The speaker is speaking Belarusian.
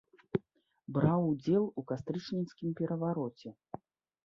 Браў удзел у кастрычніцкім перавароце.